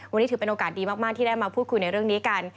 วันนี้ถือเป็นโอกาสดีมากที่ได้มาพูดคุยในเรื่องนี้กัน